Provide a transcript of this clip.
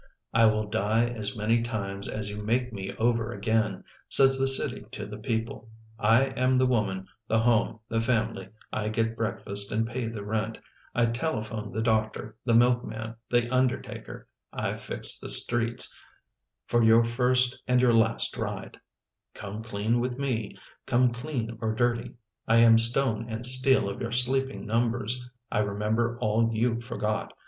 " I will die as many times as you make me over again, says the city to the people, " I am the woman, the home, the family, I get breakfast and pay the rent; I telephone the doctor, the milkman, the undertaker; I fix the streets for your first and your last ride —" Come clean with me, come clean or dirty, I am stone and steel of your sleeping numbers; I remember all you forget.